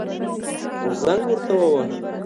خو زنگ ورته وواهه.